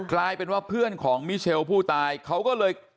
กลายเป็นว่าเพื่อนของมิเชลผู้ตายเขาก็เลย